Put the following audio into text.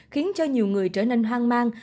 khiến cho nhiều người trở nên hoang mang